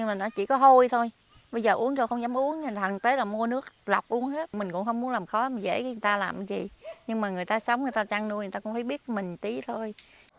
bây giờ uống thì không dám uống thành tế là mua nước lọc uống hết mình cũng không muốn làm khó dễ cho người ta làm gì nhưng mà người ta sống người ta chăn nuôi người ta cũng phải biết mình tí thôi